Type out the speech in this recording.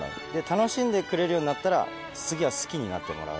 楽しんでくれるようになったら、次は好きになってもらう。